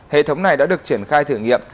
hệ thống này đã được triển khai thử nghiệm